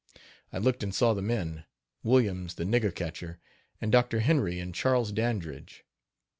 I looked and saw the men, Williams the nigger catcher, and Dr. Henry and Charles Dandridge.